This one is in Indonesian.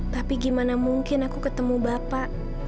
tapi gimana mungkin aku ketemu bapak